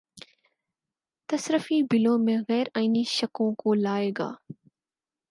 تصرفی بِلوں میں غیرآئینی شقوں کو لائے گا